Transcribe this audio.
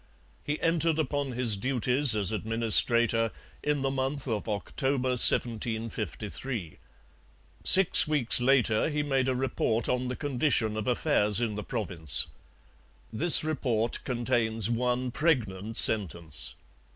He entered upon his duties as administrator in the month of October 1753. Six weeks later he made a report on the condition of affairs in the province. This report contains one pregnant sentence.